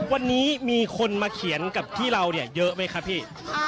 วันนี้มีคนมาเขียนกับที่เราเนี่ยเยอะไหมครับพี่